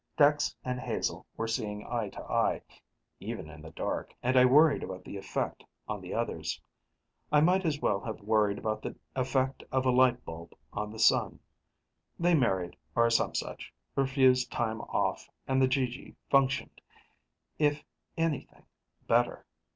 Dex and Hazel were seeing eye to eye, even in the dark, and I worried about the effect on the others. I might as well have worried about the effect of a light bulb on the sun. They married or some such, refused time off, and the GG functioned, if anything, better.